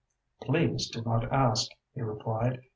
"Please do not ask," he replied.